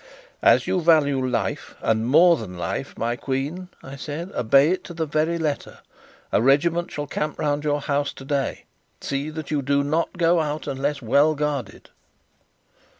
"As you value life, and more than life, my queen," I said, "obey it to the very letter. A regiment shall camp round your house today. See that you do not go out unless well guarded."